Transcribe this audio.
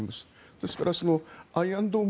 ですからアイアンドーム